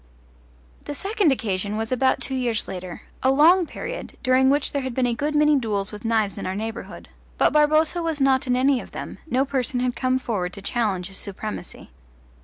The second occasion was about two years later a long period, during which there had been a good many duels with knives in our neighbourhood; but Barboza was not in any of them, no person had come forward to challenge his supremacy.